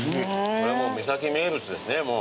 これはもう三崎名物ですね。